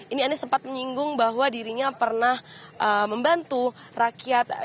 ini anies sempat menyinggung bahwa dirinya pernah membantu rakyat